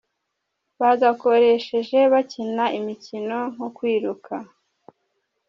bagakoresheje bakina imikino nko kwiruka